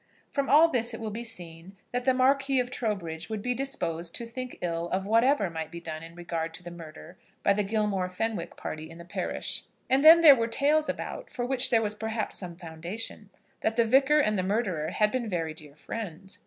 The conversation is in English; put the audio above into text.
From all this it will be seen that the Marquis of Trowbridge would be disposed to think ill of whatever might be done in regard to the murder by the Gilmore Fenwick party in the parish. And then there were tales about for which there was perhaps some foundation, that the Vicar and the murderer had been very dear friends.